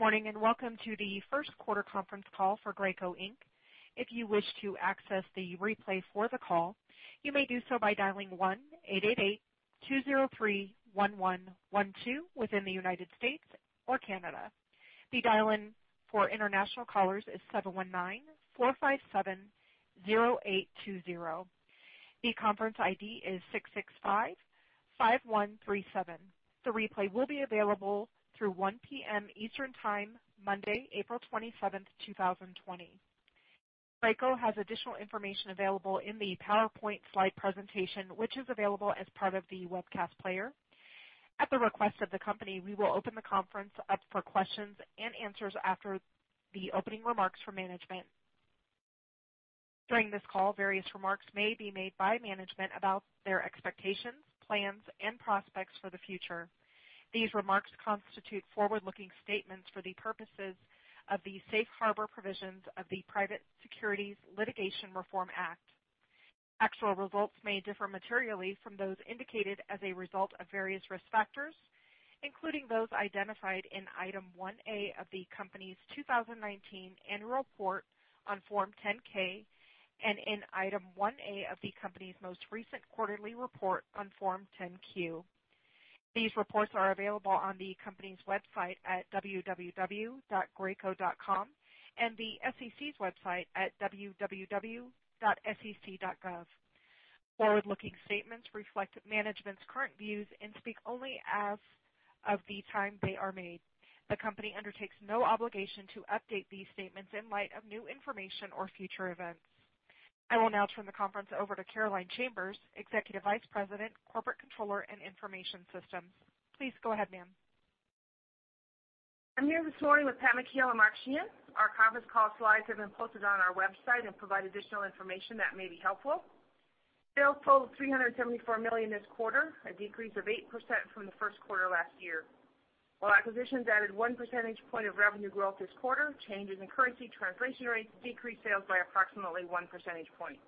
Good morning and welcome to the First Quarter conference call for Graco Inc. If you wish to access the replay for the call, you may do so by dialing 1-888-203-1112 within the United States or Canada. The dial-in for international callers is 719-457-0820. The conference ID is 6655137. The replay will be available through 1:00 P.M. Eastern Time, Monday, April 27th, 2020. Graco has additional information available in the PowerPoint slide presentation, which is available as part of the webcast player. At the request of the company, we will open the conference up for questions and answers after the opening remarks from management. During this call, various remarks may be made by management about their expectations, plans, and prospects for the future. These remarks constitute forward-looking statements for the purposes of the Safe Harbor Provisions of the Private Securities Litigation Reform Act. Actual results may differ materially from those indicated as a result of various risk factors, including those identified in item 1A of the company's 2019 annual report on Form 10-K and in item 1A of the company's most recent quarterly report on Form 10-Q. These reports are available on the company's website at www.graco.com and the SEC's website at www.sec.gov. Forward-looking statements reflect management's current views and speak only as of the time they are made. The company undertakes no obligation to update these statements in light of new information or future events. I will now turn the conference over to Caroline Chambers, Executive Vice President, Corporate Controller, and Information Systems. Please go ahead, ma'am. I'm here this morning with Pat McHale and Mark Sheahan. Our conference call slides have been posted on our website and provide additional information that may be helpful. Sales totaled $374 million this quarter, a decrease of 8% from the First Quarter last year. While acquisitions added one percentage point of revenue growth this quarter, changes in currency translation rates decreased sales by approximately one percentage point.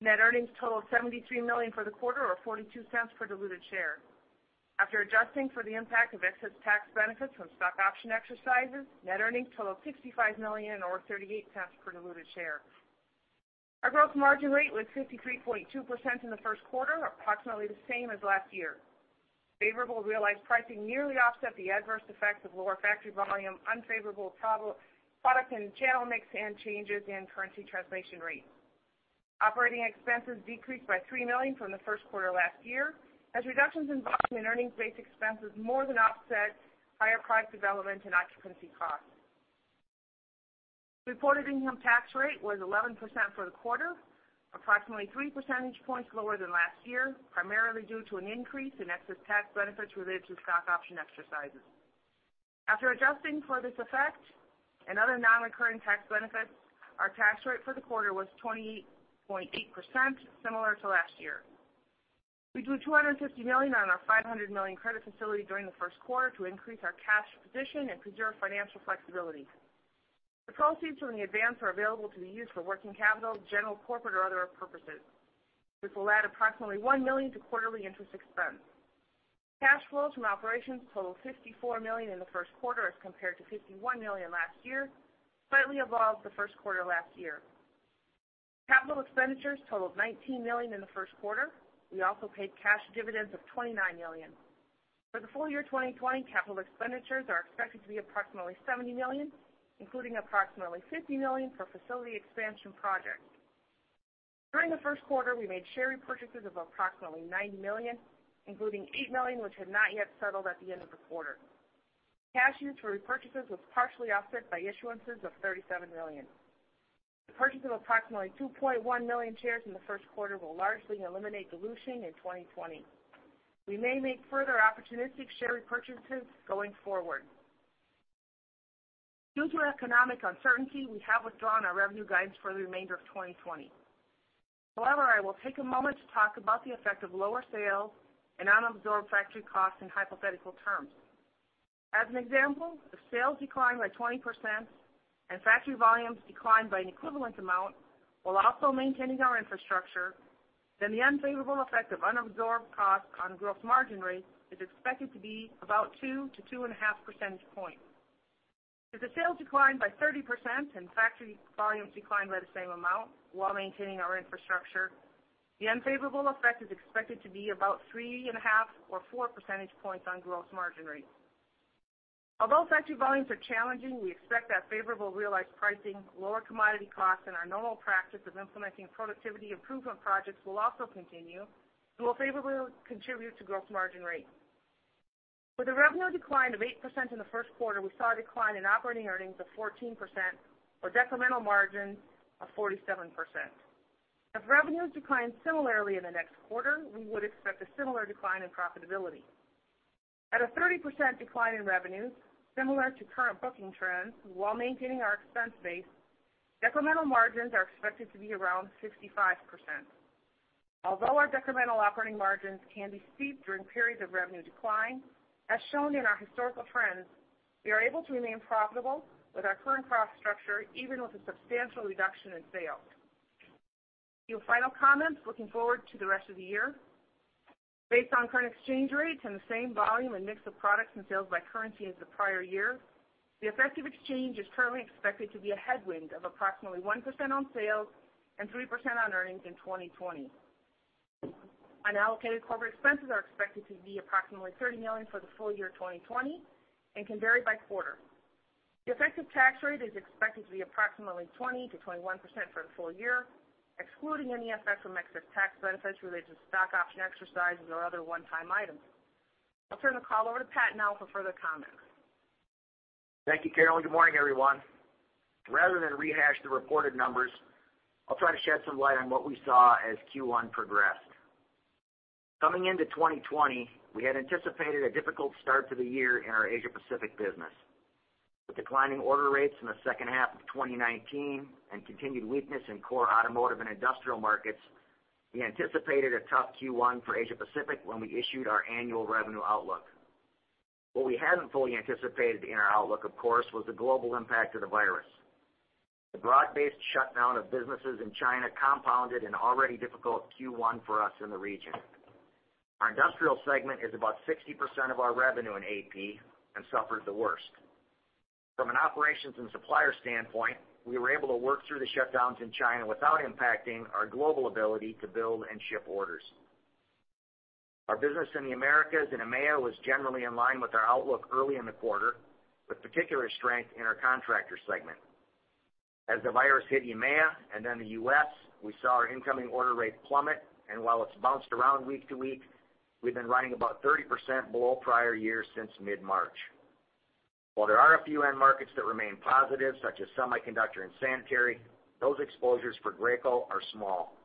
Net earnings totaled $73 million for the quarter, or $0.42 per diluted share. After adjusting for the impact of excess tax benefits from stock option exercises, net earnings totaled $65 million, or $0.38 per diluted share. Our gross margin rate was 53.2% in the First Quarter, approximately the same as last year. Favorable realized pricing nearly offset the adverse effects of lower factory volume, unfavorable product and channel mix, and changes in currency translation rates. Operating expenses decreased by $3 million from the First Quarter last year as reductions in volume and earnings-based expenses more than offset higher product development and occupancy costs. Reported income tax rate was 11% for the quarter, approximately 3 percentage points lower than last year, primarily due to an increase in excess tax benefits related to stock option exercises. After adjusting for this effect and other non-recurring tax benefits, our tax rate for the quarter was 28.8%, similar to last year. We drew $250 million on our $500 million credit facility during the First Quarter to increase our cash position and preserve financial flexibility. The proceeds from the advance are available to be used for working capital, general corporate, or other purposes. This will add approximately $1 million to quarterly interest expense. Cash flows from operations totaled $54 million in the First Quarter as compared to $51 million last year, slightly above the First Quarter last year. Capital expenditures totaled $19 million in the First Quarter. We also paid cash dividends of $29 million. For the full year 2020, capital expenditures are expected to be approximately $70 million, including approximately $50 million for facility expansion projects. During the First Quarter, we made share repurchases of approximately $90 million, including $8 million which had not yet settled at the end of the quarter. Cash used for repurchases was partially offset by issuances of $37 million. The purchase of approximately 2.1 million shares in the First Quarter will largely eliminate dilution in 2020. We may make further opportunistic share repurchases going forward. Due to economic uncertainty, we have withdrawn our revenue guidance for the remainder of 2020. However, I will take a moment to talk about the effect of lower sales and unabsorbed factory costs in hypothetical terms. As an example, if sales decline by 20% and factory volumes decline by an equivalent amount while also maintaining our infrastructure, then the unfavorable effect of unabsorbed costs on gross margin rates is expected to be about 2-2.5 percentage points. If the sales decline by 30% and factory volumes decline by the same amount while maintaining our infrastructure, the unfavorable effect is expected to be about 3.5-4 percentage points on gross margin rates. Although factory volumes are challenging, we expect that favorable realized pricing, lower commodity costs, and our normal practice of implementing productivity improvement projects will also continue and will favorably contribute to gross margin rates. With a revenue decline of 8% in the First Quarter, we saw a decline in operating earnings of 14% or decremental margin of 47%. If revenues decline similarly in the next quarter, we would expect a similar decline in profitability. At a 30% decline in revenues, similar to current booking trends, while maintaining our expense base, decremental margins are expected to be around 65%. Although our decremental operating margins can be steep during periods of revenue decline, as shown in our historical trends, we are able to remain profitable with our current cost structure even with a substantial reduction in sales. A few final comments looking forward to the rest of the year. Based on current exchange rates and the same volume and mix of products and sales by currency as the prior year, the effective exchange is currently expected to be a headwind of approximately 1% on sales and 3% on earnings in 2020. Unallocated corporate expenses are expected to be approximately $30 million for the full year 2020 and can vary by quarter. The effective tax rate is expected to be approximately 20%-21% for the full year, excluding any effect from excess tax benefits related to stock option exercises or other one-time items. I'll turn the call over to Pat now for further comments. Thank you, Caroline. Good morning, everyone. Rather than rehash the reported numbers, I'll try to shed some light on what we saw as Q1 progressed. Coming into 2020, we had anticipated a difficult start to the year in our Asia-Pacific business. With declining order rates in the second half of 2019 and continued weakness in core automotive and industrial markets, we anticipated a tough Q1 for Asia-Pacific when we issued our annual revenue outlook. What we hadn't fully anticipated in our outlook, of course, was the global impact of the virus. The broad-based shutdown of businesses in China compounded an already difficult Q1 for us in the region. Our industrial segment is about 60% of our revenue in AP and suffered the worst. From an operations and supplier standpoint, we were able to work through the shutdowns in China without impacting our global ability to build and ship orders. Our business in the Americas and EMEA was generally in line with our outlook early in the quarter, with particular strength in our contractor segment. As the virus hit EMEA and then the U.S., we saw our incoming order rate plummet, and while it's bounced around week to week, we've been running about 30% below prior years since mid-March. While there are a few end markets that remain positive, such as semiconductor and sanitary, those exposures for Graco are small.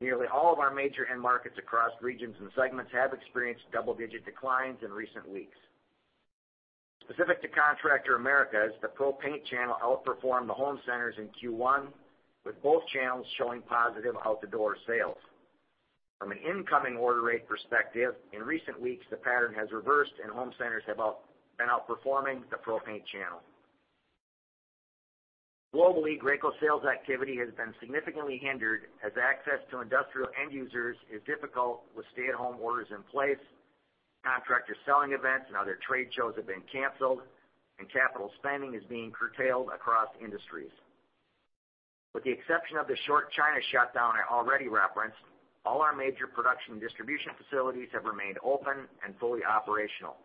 Nearly all of our major end markets across regions and segments have experienced double-digit declines in recent weeks. Specific to contractor Americas, the pro paint channel outperformed the home centers in Q1, with both channels showing positive out-the-door sales. From an incoming order rate perspective, in recent weeks, the pattern has reversed and home centers have been outperforming the pro paint channel. Globally, Graco's sales activity has been significantly hindered as access to industrial end users is difficult with stay-at-home orders in place, contractor selling events and other trade shows have been canceled, and capital spending is being curtailed across industries. With the exception of the short China shutdown I already referenced, all our major production and distribution facilities have remained open and fully operational.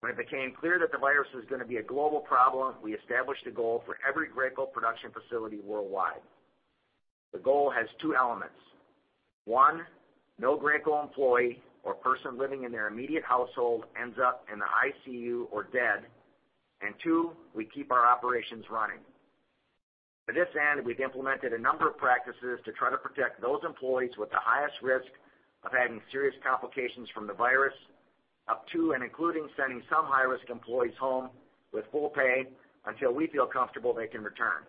When it became clear that the virus was going to be a global problem, we established a goal for every Graco production facility worldwide. The goal has two elements: one, no Graco employee or person living in their immediate household ends up in the ICU or dead; and two, we keep our operations running. To this end, we've implemented a number of practices to try to protect those employees with the highest risk of having serious complications from the virus, up to and including sending some high-risk employees home with full pay until we feel comfortable they can return.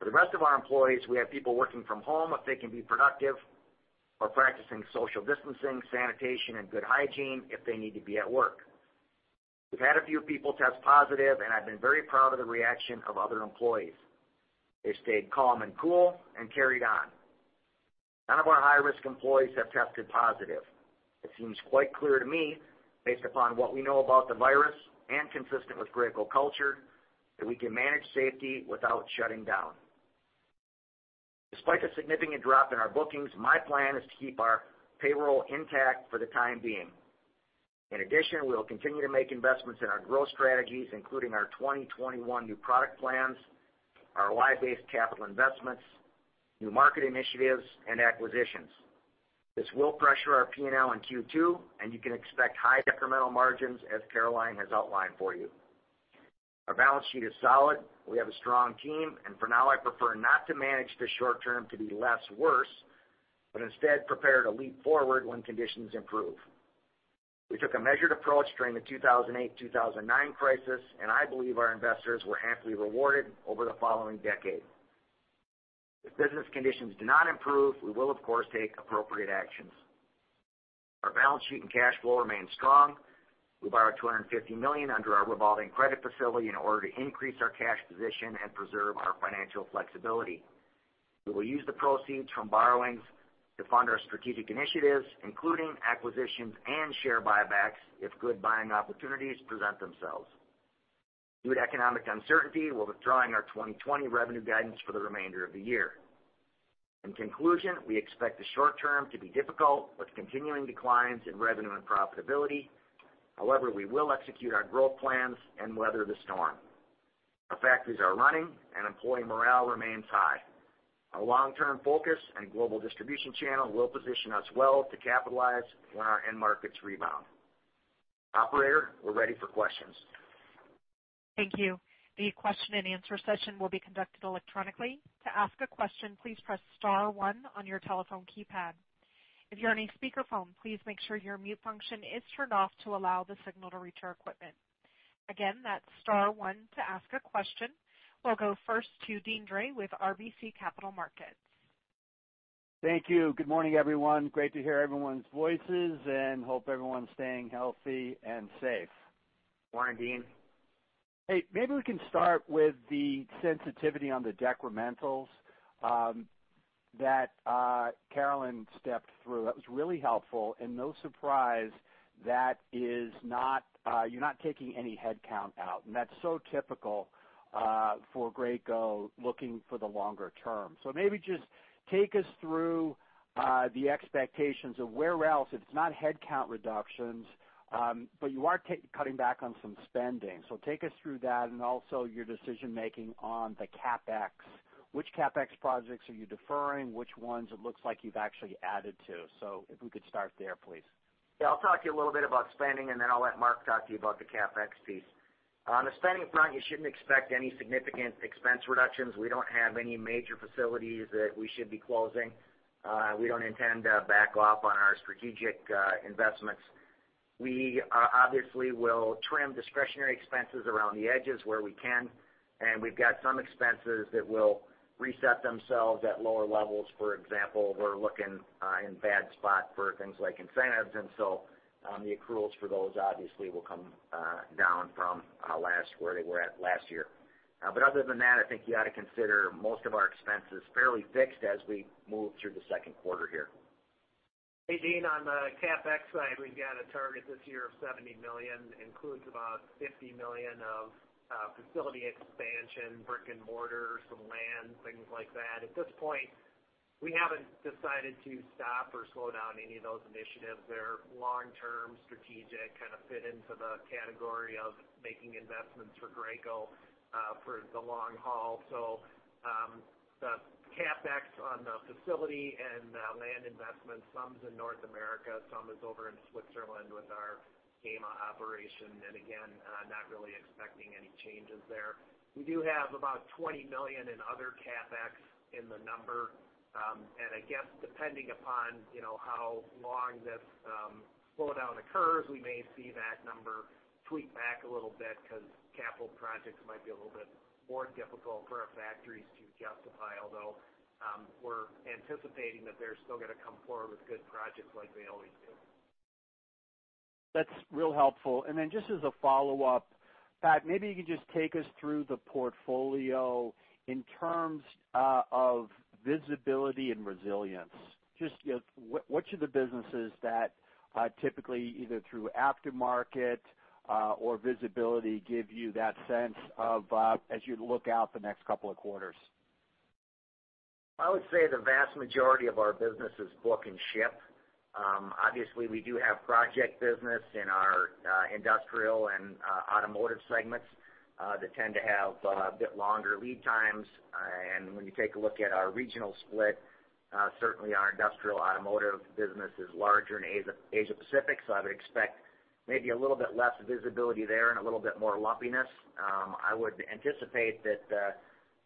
For the rest of our employees, we have people working from home if they can be productive or practicing social distancing, sanitation, and good hygiene if they need to be at work. We've had a few people test positive, and I've been very proud of the reaction of other employees. They've stayed calm and cool and carried on. None of our high-risk employees have tested positive. It seems quite clear to me, based upon what we know about the virus and consistent with Graco culture, that we can manage safety without shutting down. Despite a significant drop in our bookings, my plan is to keep our payroll intact for the time being. In addition, we'll continue to make investments in our growth strategies, including our 2021 new product plans, our labor-based capital investments, new market initiatives, and acquisitions. This will pressure our P&L in Q2, and you can expect high decremental margins as Caroline has outlined for you. Our balance sheet is solid. We have a strong team, and for now, I prefer not to manage the short term to be less worse, but instead prepare to leap forward when conditions improve. We took a measured approach during the 2008-2009 crisis, and I believe our investors were amply rewarded over the following decade. If business conditions do not improve, we will, of course, take appropriate actions. Our balance sheet and cash flow remain strong. We borrowed $250 million under our revolving credit facility in order to increase our cash position and preserve our financial flexibility. We will use the proceeds from borrowings to fund our strategic initiatives, including acquisitions and share buybacks if good buying opportunities present themselves. Due to economic uncertainty, we're withdrawing our 2020 revenue guidance for the remainder of the year. In conclusion, we expect the short term to be difficult with continuing declines in revenue and profitability. However, we will execute our growth plans and weather the storm. Our factories are running, and employee morale remains high. Our long-term focus and global distribution channel will position us well to capitalize when our end markets rebound. Operator, we're ready for questions. Thank you. The question and answer session will be conducted electronically. To ask a question, please press Star 1 on your telephone keypad. If you're on a speakerphone, please make sure your mute function is turned off to allow the signal to reach our equipment. Again, that's Star 1 to ask a question. We'll go first to Deane Dray with RBC Capital Markets. Thank you. Good morning, everyone. Great to hear everyone's voices and hope everyone's staying healthy and safe. Morning, Deane. Hey, maybe we can start with the sensitivity on the decrementals that Caroline stepped through. That was really helpful. And no surprise, that is not—you're not taking any headcount out. And that's so typical for Graco looking for the longer term. So maybe just take us through the expectations of where else, if it's not headcount reductions, but you are cutting back on some spending. So take us through that and also your decision-making on the CapEx. Which CapEx projects are you deferring? Which ones it looks like you've actually added to? So if we could start there, please. Yeah, I'll talk to you a little bit about spending, and then I'll let Mark talk to you about the CapEx piece. On the spending front, you shouldn't expect any significant expense reductions. We don't have any major facilities that we should be closing. We don't intend to back off on our strategic investments. We obviously will trim discretionary expenses around the edges where we can, and we've got some expenses that will reset themselves at lower levels. For example, we're looking in a bad spot for things like incentives, and so the accruals for those obviously will come down from last where they were at last year. But other than that, I think you ought to consider most of our expenses fairly fixed as we move through the Second Quarter here. Hey, Dean, on the CapEx side, we've got a target this year of $70 million. It includes about $50 million of facility expansion, brick and mortar, some land, things like that. At this point, we haven't decided to stop or slow down any of those initiatives. They're long-term, strategic, kind of fit into the category of making investments for Graco for the long haul. So the CapEx on the facility and land investments, some's in North America, some is over in Switzerland with our Gama operation, and again, not really expecting any changes there. We do have about $20 million in other CapEx in the number, and I guess depending upon how long this slowdown occurs, we may see that number tweak back a little bit because capital projects might be a little bit more difficult for our factories to justify, although we're anticipating that they're still going to come forward with good projects like they always do. That's real helpful. And then just as a follow-up, Pat, maybe you can just take us through the portfolio in terms of visibility and resilience. Just what should the businesses that typically either through aftermarket or visibility give you that sense of as you look out the next couple of quarters? I would say the vast majority of our business is book and ship. Obviously, we do have project business in our industrial and automotive segments that tend to have a bit longer lead times. And when you take a look at our regional split, certainly our industrial automotive business is larger in Asia-Pacific, so I would expect maybe a little bit less visibility there and a little bit more lumpiness. I would anticipate that the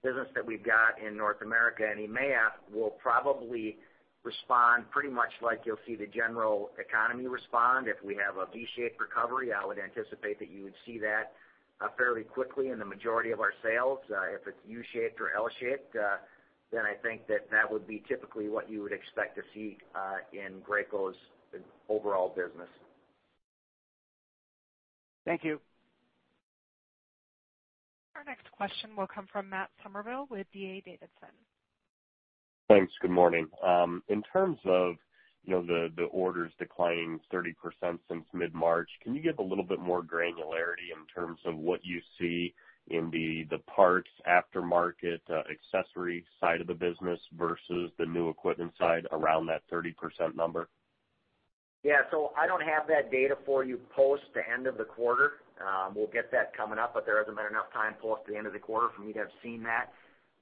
business that we've got in North America and EMEA will probably respond pretty much like you'll see the general economy respond. If we have a V-shaped recovery, I would anticipate that you would see that fairly quickly in the majority of our sales. If it's U-shaped or L-shaped, then I think that that would be typically what you would expect to see in Graco's overall business. Thank you. Our next question will come from Matt Summerville with D.A. Davidson. Thanks. Good morning. In terms of the orders declining 30% since mid-March, can you give a little bit more granularity in terms of what you see in the parts, aftermarket, accessory side of the business versus the new equipment side around that 30% number? Yeah, so I don't have that data for you post the end of the quarter. We'll get that coming up, but there hasn't been enough time post the end of the quarter for me to have seen that.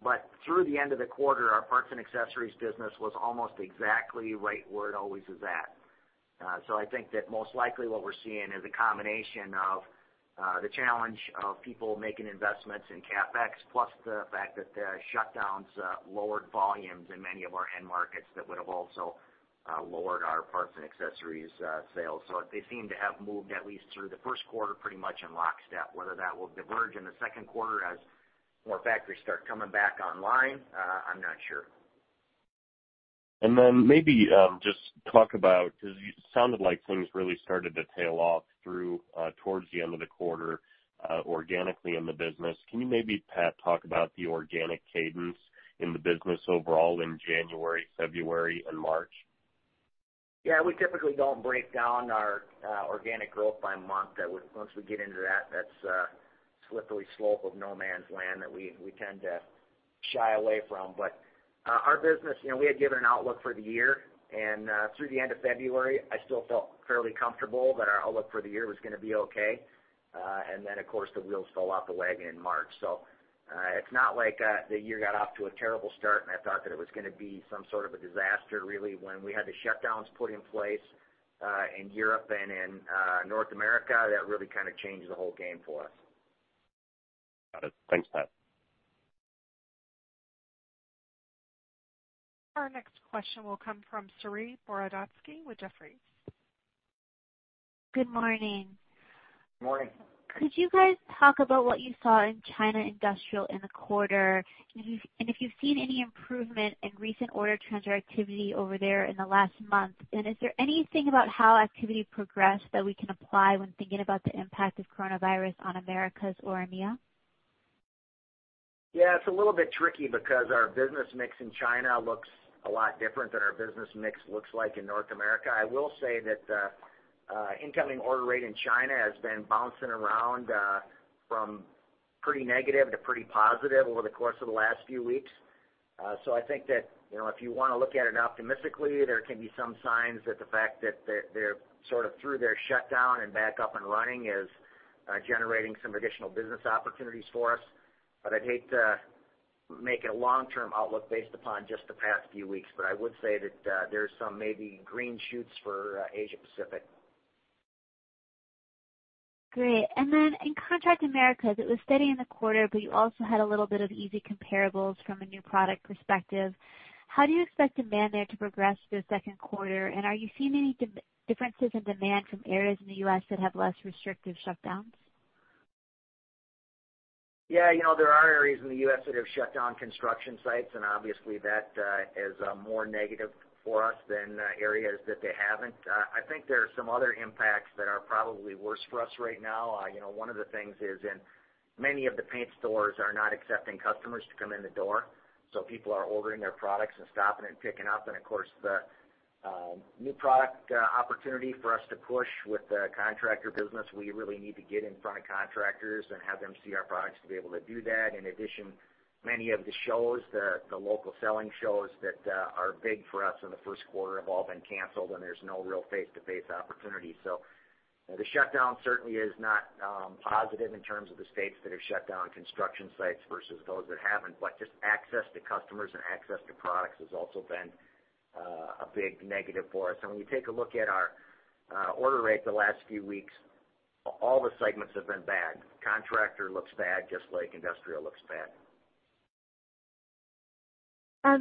But through the end of the quarter, our parts and accessories business was almost exactly right where it always is at. So I think that most likely what we're seeing is a combination of the challenge of people making investments in CapEx, plus the fact that the shutdowns lowered volumes in many of our end markets that would have also lowered our parts and accessories sales. So they seem to have moved at least through the First Quarter pretty much in lockstep. Whether that will diverge in the Second Quarter as more factories start coming back online, I'm not sure. And then maybe just talk about, because it sounded like things really started to tail off toward the end of the quarter organically in the business. Can you maybe, Pat, talk about the organic cadence in the business overall in January, February, and March? Yeah, we typically don't break down our organic growth by month. Once we get into that, that's a slippery slope of no man's land that we tend to shy away from. But our business, we had given an outlook for the year, and through the end of February, I still felt fairly comfortable that our outlook for the year was going to be okay. And then, of course, the wheels fell off the wagon in March. So it's not like the year got off to a terrible start, and I thought that it was going to be some sort of a disaster really when we had the shutdowns put in place in Europe and in North America that really kind of changed the whole game for us. Got it. Thanks, Pat. Our next question will come from Saree Boroditsky with Jefferies. Good morning. Good morning. Could you guys talk about what you saw in China industrial in the quarter? And if you've seen any improvement in recent order transfer activity over there in the last month? And is there anything about how activity progressed that we can apply when thinking about the impact of coronavirus on Americas or EMEA? Yeah, it's a little bit tricky because our business mix in China looks a lot different than our business mix looks like in North America. I will say that the incoming order rate in China has been bouncing around from pretty negative to pretty positive over the course of the last few weeks. So I think that if you want to look at it optimistically, there can be some signs that the fact that they're sort of through their shutdown and back up and running is generating some additional business opportunities for us. But I'd hate to make a long-term outlook based upon just the past few weeks, but I would say that there's some maybe green shoots for Asia-Pacific. Great. And then in Contractor Americas, it was steady in the quarter, but you also had a little bit of easy comparables from a new product perspective. How do you expect demand there to progress through the Second Quarter? And are you seeing any differences in demand from areas in the U.S. that have less restrictive shutdowns? Yeah, there are areas in the U.S. that have shut down construction sites, and obviously that is more negative for us than areas that they haven't. I think there are some other impacts that are probably worse for us right now. One of the things is many of the paint stores are not accepting customers to come in the door. So people are ordering their products and stopping and picking up. And of course, the new product opportunity for us to push with the contractor business, we really need to get in front of contractors and have them see our products to be able to do that. In addition, many of the shows, the local selling shows that are big for us in the First Quarter have all been canceled, and there's no real face-to-face opportunity. So the shutdown certainly is not positive in terms of the states that have shut down construction sites versus those that haven't. But just access to customers and access to products has also been a big negative for us. And when you take a look at our order rate the last few weeks, all the segments have been bad. Contractor looks bad just like industrial looks bad.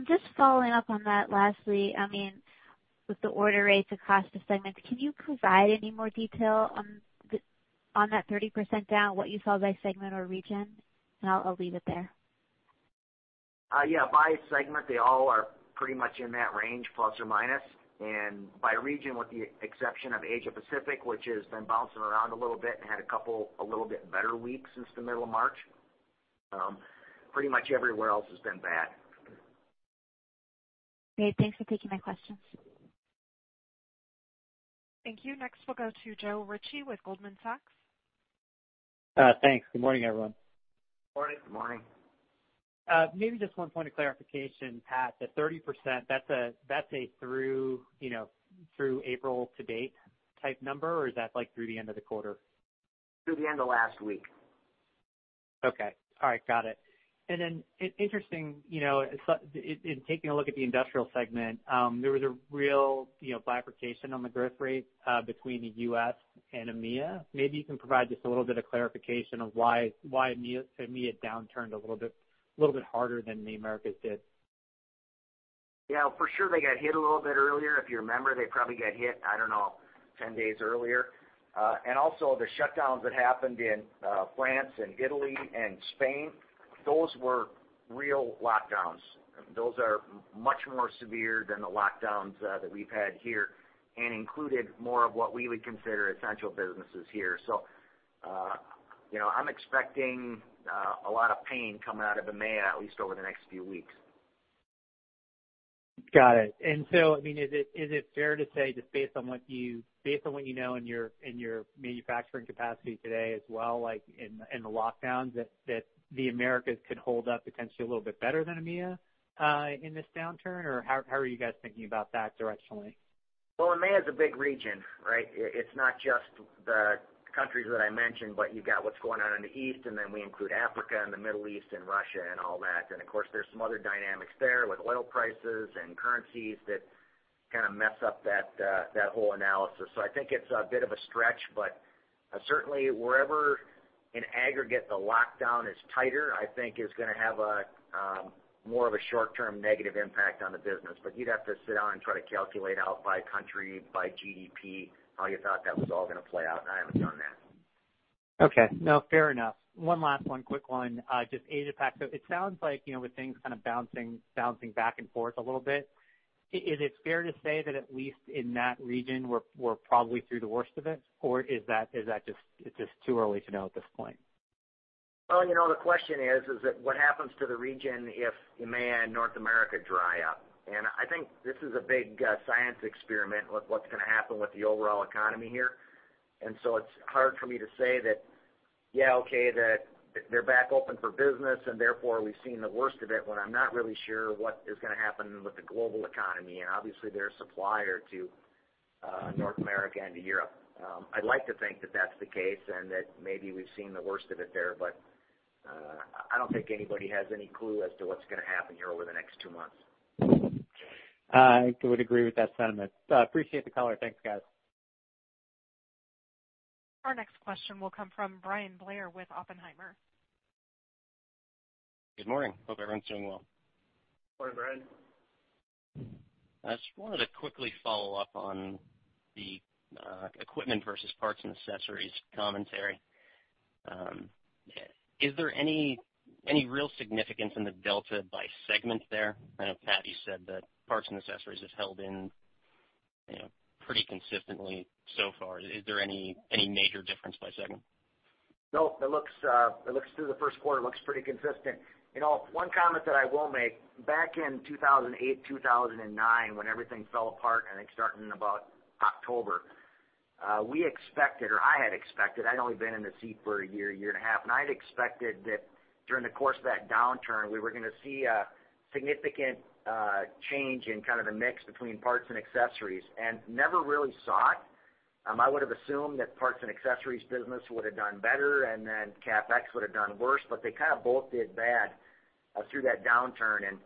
Just following up on that lastly, I mean, with the order rates across the segments, can you provide any more detail on that 30% down, what you saw by segment or region? And I'll leave it there. Yeah, by segment, they all are pretty much in that range, plus or minus. And by region, with the exception of Asia-Pacific, which has been bouncing around a little bit and had a couple a little bit better weeks since the middle of March, pretty much everywhere else has been bad. Great. Thanks for taking my questions. Thank you. Next, we'll go to Joe Ritchie with Goldman Sachs. Thanks. Good morning, everyone. Good morning. Good morning. Maybe just one point of clarification, Pat. The 30%, that's a through April to date type number, or is that through the end of the quarter? Through the end of last week. Okay. All right. Got it. And then interesting, in taking a look at the industrial segment, there was a real bifurcation on the growth rate between the U.S. and EMEA. Maybe you can provide just a little bit of clarification of why EMEA downturned a little bit harder than the Americas did. Yeah, for sure, they got hit a little bit earlier. If you remember, they probably got hit, I don't know, 10 days earlier, and also the shutdowns that happened in France and Italy and Spain, those were real lockdowns. Those are much more severe than the lockdowns that we've had here and included more of what we would consider essential businesses here, so I'm expecting a lot of pain coming out of EMEA, at least over the next few weeks. Got it. And so, I mean, is it fair to say just based on what you know in your manufacturing capacity today as well, in the lockdowns, that the Americas could hold up potentially a little bit better than EMEA in this downturn? Or how are you guys thinking about that directionally? EMEA is a big region, right? It's not just the countries that I mentioned, but you've got what's going on in the East, and then we include Africa and the Middle East and Russia and all that. And of course, there's some other dynamics there with oil prices and currencies that kind of mess up that whole analysis. So I think it's a bit of a stretch, but certainly wherever in aggregate the lockdown is tighter, I think is going to have more of a short-term negative impact on the business. But you'd have to sit down and try to calculate out by country, by GDP, how you thought that was all going to play out. And I haven't done that. Okay. No, fair enough. One last one, quick one. Just Asia-Pac. So it sounds like with things kind of bouncing back and forth a little bit, is it fair to say that at least in that region, we're probably through the worst of it? Or is that just too early to know at this point? The question is, is that what happens to the region if EMEA and North America dry up? I think this is a big science experiment with what's going to happen with the overall economy here. So it's hard for me to say that, yeah, okay, they're back open for business, and therefore we've seen the worst of it when I'm not really sure what is going to happen with the global economy. Obviously, they're a supplier to North America and to Europe. I'd like to think that that's the case and that maybe we've seen the worst of it there, but I don't think anybody has any clue as to what's going to happen here over the next two months. I would agree with that sentiment. Appreciate the color. Thanks, guys. Our next question will come from Bryan Blair with Oppenheimer. Good morning. Hope everyone's doing well. Morning, Bryan. I just wanted to quickly follow up on the equipment versus parts and accessories commentary. Is there any real significance in the delta by segment there? I know, Pat, you said that parts and accessories have held in pretty consistently so far. Is there any major difference by segment? Nope. It looks through the First Quarter. It looks pretty consistent. One comment that I will make, back in 2008, 2009, when everything fell apart, I think starting in about October, we expected, or I had expected, I'd only been in the seat for a year, year and a half, and I had expected that during the course of that downturn, we were going to see a significant change in kind of the mix between parts and accessories, and never really saw it. I would have assumed that parts and accessories business would have done better, and then CapEx would have done worse, but they kind of both did bad through that downturn, and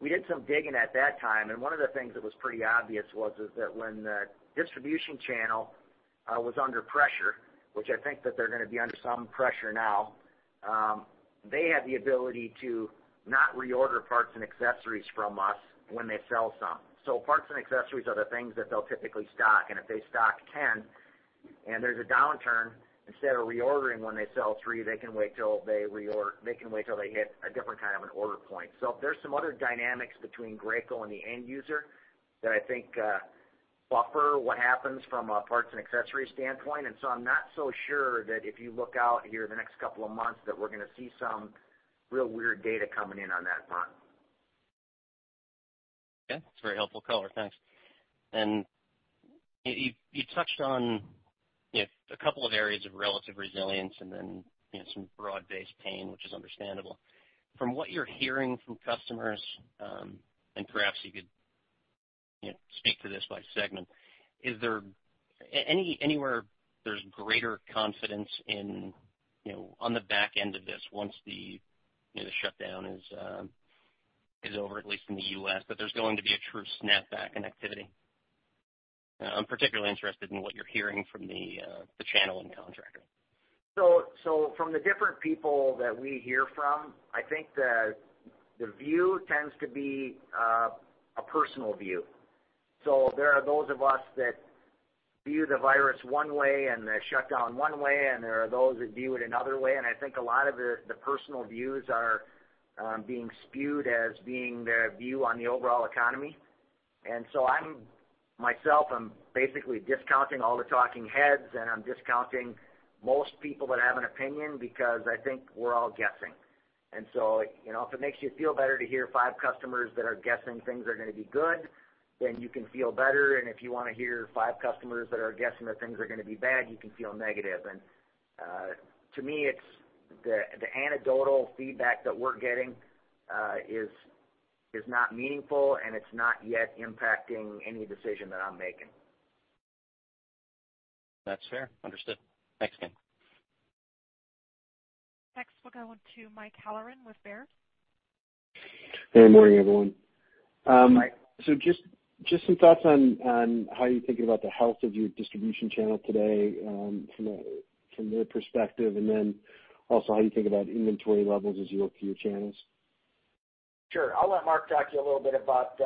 we did some digging at that time. One of the things that was pretty obvious was that when the distribution channel was under pressure, which I think that they're going to be under some pressure now, they have the ability to not reorder parts and accessories from us when they sell some. Parts and accessories are the things that they'll typically stock. If they stock 10 and there's a downturn, instead of reordering when they sell three, they can wait till they reorder, they can wait till they hit a different kind of an order point. There's some other dynamics between Graco and the end user that I think buffer what happens from a parts and accessories standpoint. I'm not so sure that if you look out here the next couple of months that we're going to see some real weird data coming in on that front. Yeah. It's a very helpful color. Thanks. And you touched on a couple of areas of relative resilience and then some broad-based pain, which is understandable. From what you're hearing from customers, and perhaps you could speak to this by segment, is there anywhere there's greater confidence on the back end of this once the shutdown is over, at least in the U.S., that there's going to be a true snapback in activity? I'm particularly interested in what you're hearing from the channel and contractor. So from the different people that we hear from, I think the view tends to be a personal view. So there are those of us that view the virus one way and the shutdown one way, and there are those that view it another way. And I think a lot of the personal views are being spewed as being their view on the overall economy. And so I'm myself, I'm basically discounting all the talking heads, and I'm discounting most people that have an opinion because I think we're all guessing. And so if it makes you feel better to hear five customers that are guessing things are going to be good, then you can feel better. And if you want to hear five customers that are guessing that things are going to be bad, you can feel negative. To me, it's the anecdotal feedback that we're getting is not meaningful, and it's not yet impacting any decision that I'm making. That's fair. Understood. Thanks again. Next, we'll go to Mike Halloran with Baird. Hey, morning, everyone. So just some thoughts on how you're thinking about the health of your distribution channel today from their perspective, and then also how you think about inventory levels as you look through your channels. Sure. I'll let Mark talk to you a little bit about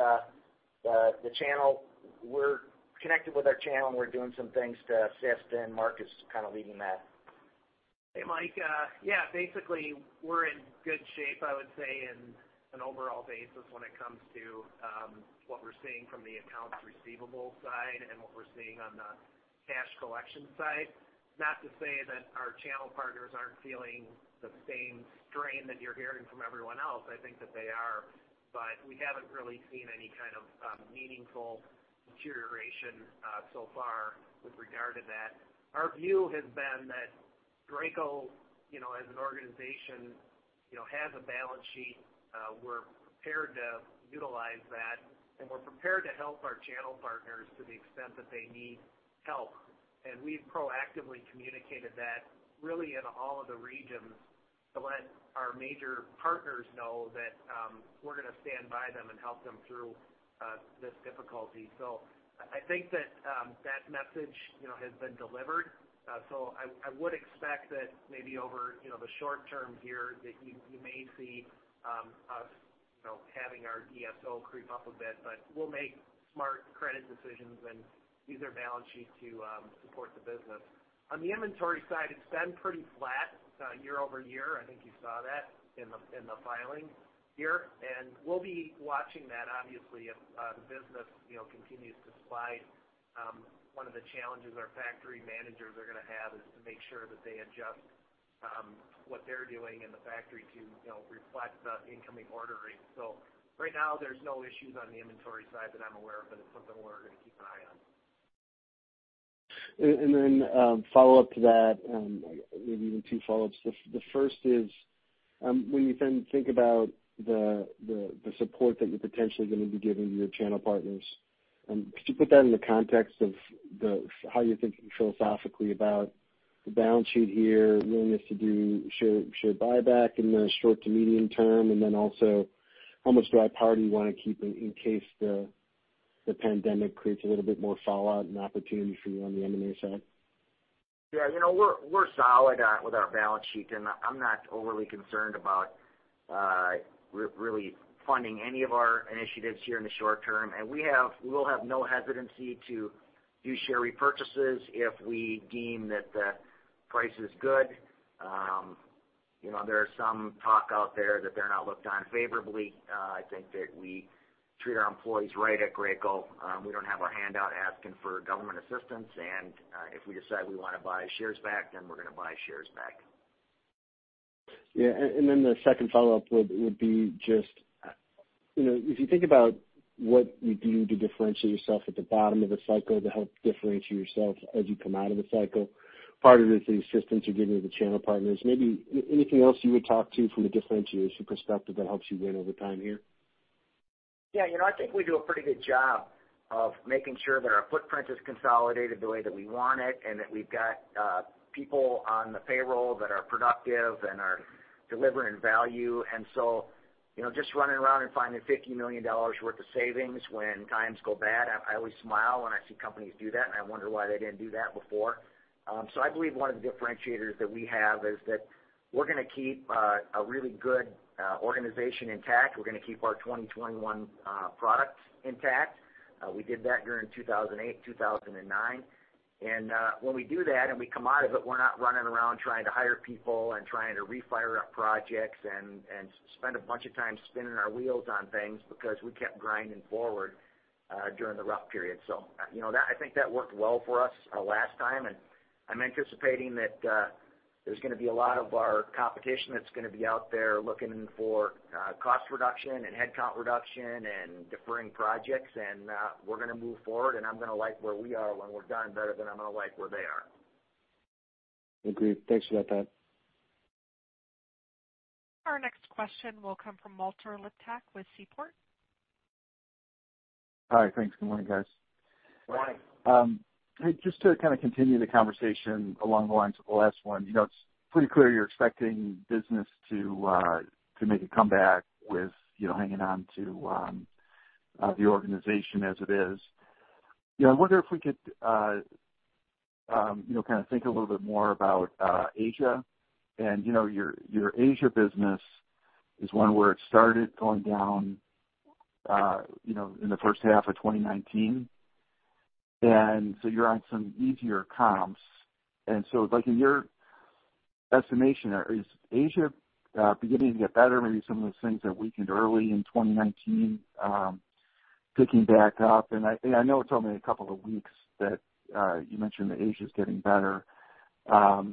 the channel. We're connected with our channel, and we're doing some things to assist, and Mark is kind of leading that. Hey, Mike. Yeah, basically, we're in good shape, I would say, in an overall basis when it comes to what we're seeing from the accounts receivable side and what we're seeing on the cash collection side. Not to say that our channel partners aren't feeling the same strain that you're hearing from everyone else. I think that they are, but we haven't really seen any kind of meaningful deterioration so far with regard to that. Our view has been that Graco as an organization has a balance sheet. We're prepared to utilize that, and we're prepared to help our channel partners to the extent that they need help. And we've proactively communicated that really in all of the regions to let our major partners know that we're going to stand by them and help them through this difficulty. So I think that that message has been delivered. So I would expect that maybe over the short term here that you may see us having our DSO creep up a bit, but we'll make smart credit decisions and use our balance sheet to support the business. On the inventory side, it's been pretty flat year over year. I think you saw that in the filing here. And we'll be watching that, obviously, if the business continues to slide. One of the challenges our factory managers are going to have is to make sure that they adjust what they're doing in the factory to reflect the incoming order rate. So right now, there's no issues on the inventory side that I'm aware of, but it's something we're going to keep an eye on. And then follow up to that, maybe even two follow-ups. The first is when you then think about the support that you're potentially going to be giving to your channel partners. Could you put that in the context of how you're thinking philosophically about the balance sheet here, willingness to do share buyback in the short to medium term, and then also how much liquidity you want to keep in case the pandemic creates a little bit more fallout and opportunity for you on the M&A side? Yeah. We're solid with our balance sheet, and I'm not overly concerned about really funding any of our initiatives here in the short term, and we will have no hesitancy to do share repurchases if we deem that the price is good. There is some talk out there that they're not looked on favorably. I think that we treat our employees right at Graco. We don't have our handout asking for government assistance, and if we decide we want to buy shares back, then we're going to buy shares back. Yeah. And then the second follow-up would be just if you think about what you do to differentiate yourself at the bottom of the cycle to help differentiate yourself as you come out of the cycle, part of it is the assistance you're giving to the channel partners. Maybe anything else you would talk to from a differentiation perspective that helps you win over time here? Yeah. I think we do a pretty good job of making sure that our footprint is consolidated the way that we want it and that we've got people on the payroll that are productive and are delivering value. And so just running around and finding $50 million worth of savings when times go bad, I always smile when I see companies do that, and I wonder why they didn't do that before. So I believe one of the differentiators that we have is that we're going to keep a really good organization intact. We're going to keep our 2021 product intact. We did that during 2008, 2009. And when we do that and we come out of it, we're not running around trying to hire people and trying to refire our projects and spend a bunch of time spinning our wheels on things because we kept grinding forward during the rough period. So I think that worked well for us last time. And I'm anticipating that there's going to be a lot of our competition that's going to be out there looking for cost reduction and headcount reduction and deferring projects. And we're going to move forward, and I'm going to like where we are when we're done better than I'm going to like where they are. Agreed. Thanks for that, Pat. Our next question will come from Walter Liptak with Seaport. Hi. Thanks. Good morning, guys. Good morning. Just to kind of continue the conversation along the lines of the last one, it's pretty clear you're expecting business to make a comeback with hanging on to the organization as it is. I wonder if we could kind of think a little bit more about Asia. And your Asia business is one where it started going down in the first half of 2019. And so you're on some easier comps. And so in your estimation, is Asia beginning to get better? Maybe some of those things that weakened early in 2019, picking back up. And I know it's only a couple of weeks that you mentioned that Asia is getting better, but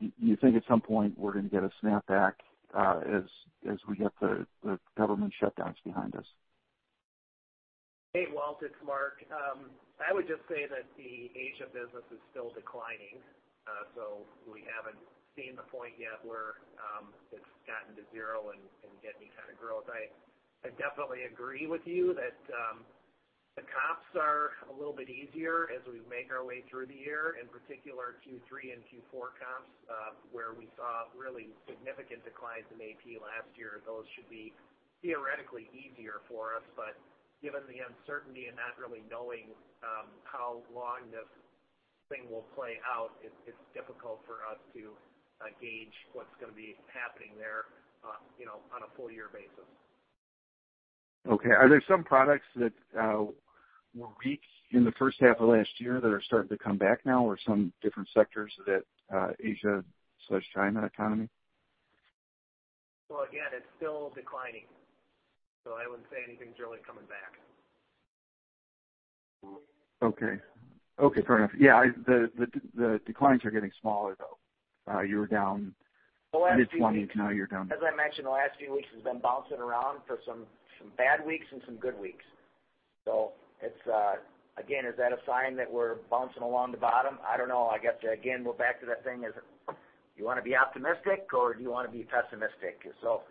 do you think at some point we're going to get a snapback as we get the government shutdowns behind us? Hey, Walt, it's Mark. I would just say that the Asia business is still declining. So we haven't seen the point yet where it's gotten to zero and getting any kind of growth. I definitely agree with you that the comps are a little bit easier as we make our way through the year, in particular Q3 and Q4 comps where we saw really significant declines in AP last year. Those should be theoretically easier for us. But given the uncertainty and not really knowing how long this thing will play out, it's difficult for us to gauge what's going to be happening there on a full year basis. Okay. Are there some products that were weak in the first half of last year that are starting to come back now or some different sectors that Asia/China economy? Again, it's still declining. So I wouldn't say anything's really coming back. Okay. Okay. Fair enough. Yeah. The declines are getting smaller, though. You were down mid-20s. Now you're down. As I mentioned, the last few weeks have been bouncing around for some bad weeks and some good weeks. So again, is that a sign that we're bouncing along the bottom? I don't know. I guess, again, we're back to that thing is you want to be optimistic or do you want to be pessimistic? So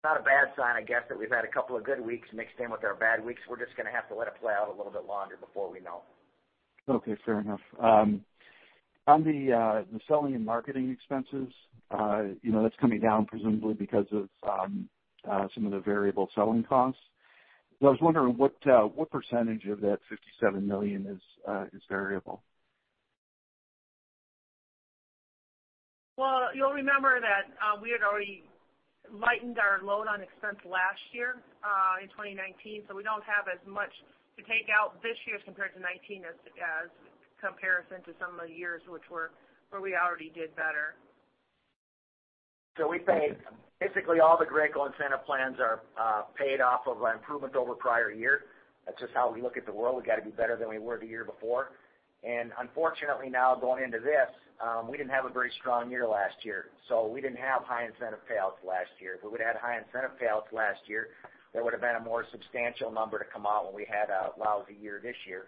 it's not a bad sign, I guess, that we've had a couple of good weeks mixed in with our bad weeks. We're just going to have to let it play out a little bit longer before we know. Okay. Fair enough. On the selling and marketing expenses, that's coming down presumably because of some of the variable selling costs. I was wondering what percentage of that $57 million is variable? You'll remember that we had already lightened our load on expense last year in 2019. We don't have as much to take out this year compared to 2019 as compared to some of the years where we already did better. So, we pay. Basically, all the Graco incentive plans are paid off of improvement over prior year. That's just how we look at the world. We got to be better than we were the year before, and unfortunately, now going into this, we didn't have a very strong year last year. So, we didn't have high incentive payouts last year. If we would have had high incentive payouts last year, there would have been a more substantial number to come out when we had a lousy year this year,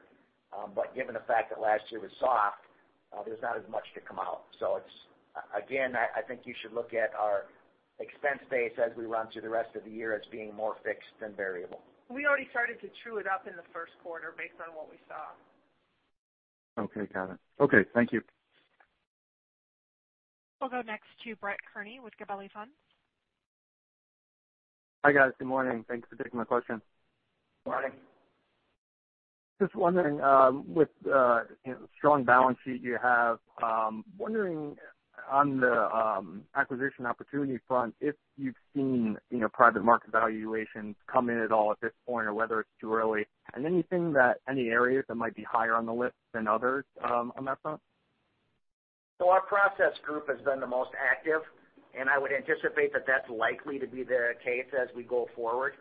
but given the fact that last year was soft, there's not as much to come out. So, again, I think you should look at our expense base as we run through the rest of the year as being more fixed than variable. We already started to true it up in the First Quarter based on what we saw. Okay. Got it. Okay. Thank you. We'll go next to Brett Kearney with Gabelli Funds. Hi guys. Good morning. Thanks for taking my question. Morning. Just wondering, with the strong balance sheet you have, wondering on the acquisition opportunity front, if you've seen private market valuation come in at all at this point or whether it's too early, and anything that any areas that might be higher on the list than others on that front? Our process group has been the most active, and I would anticipate that that's likely to be the case as we go forward.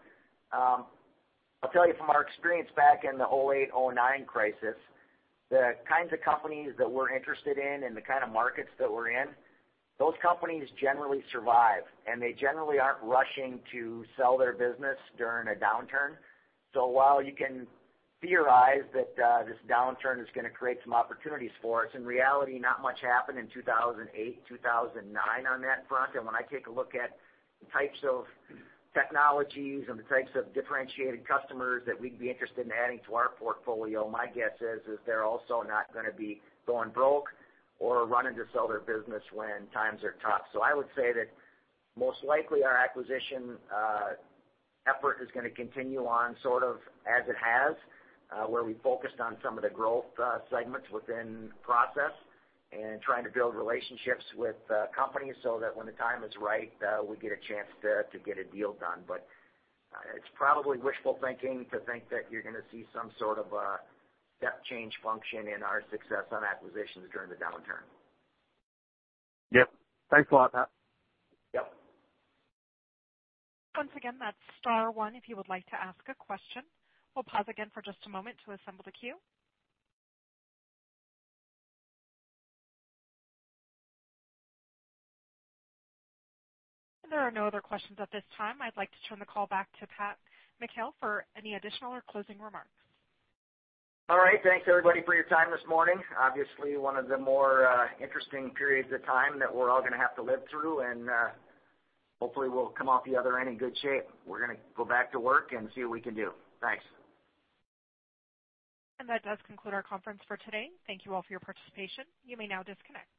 I'll tell you from our experience back in the 2008, 2009 crisis, the kinds of companies that we're interested in and the kind of markets that we're in, those companies generally survive, and they generally aren't rushing to sell their business during a downturn. So while you can theorize that this downturn is going to create some opportunities for us, in reality, not much happened in 2008, 2009 on that front. And when I take a look at the types of technologies and the types of differentiated customers that we'd be interested in adding to our portfolio, my guess is they're also not going to be going broke or running to sell their business when times are tough. So I would say that most likely our acquisition effort is going to continue on sort of as it has, where we focused on some of the growth segments within process and trying to build relationships with companies so that when the time is right, we get a chance to get a deal done. But it's probably wishful thinking to think that you're going to see some sort of step change function in our success on acquisitions during the downturn. Yep. Thanks a lot, Pat. Yep. Once again, that's Star One. If you would like to ask a question, we'll pause again for just a moment to assemble the queue, and there are no other questions at this time. I'd like to turn the call back to Pat McHale for any additional or closing remarks. All right. Thanks, everybody, for your time this morning. Obviously, one of the more interesting periods of time that we're all going to have to live through. And hopefully, we'll come off the other in good shape. We're going to go back to work and see what we can do. Thanks. That does conclude our conference for today. Thank you all for your participation. You may now disconnect.